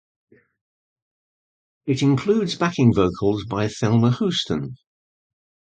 It includes backing vocals by Thelma Houston.